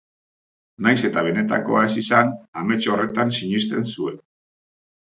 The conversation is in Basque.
Nahiz eta benetakoa ez izan, amets horretan sinisten zuen.